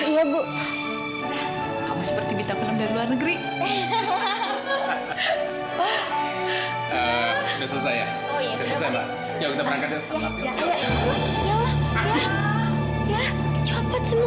ya ampun di samping itu